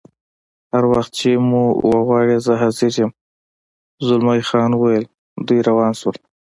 هر وخت چې مې وغواړې زه حاضر یم، زلمی خان وویل: دوی روان شول.